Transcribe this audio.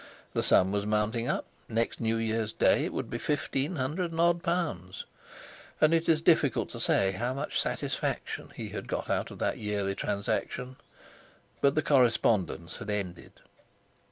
The sum was mounting up—next New Year's Day it would be fifteen hundred and odd pounds! And it is difficult to say how much satisfaction he had got out of that yearly transaction. But the correspondence had ended.